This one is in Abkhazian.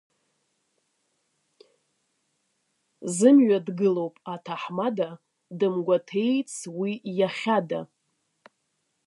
Зымҩа дгылоуп аҭаҳмада, дымгәаҭеиц уи иахьада…